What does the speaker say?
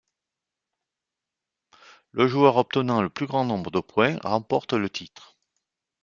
Le joueur obtenant le plus grand nombre de points remporte le titre.